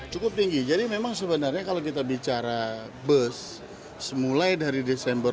cukup tinggi jadi memang sebenarnya kalau kita bicara bus